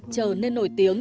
chờ nên nổi tiếng